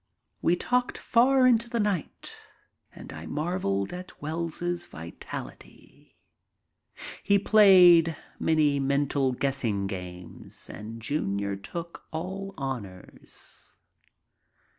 We talked far into the night, and I marveled at Wells's vitality. We played many mental guessing games and Junior took all honors.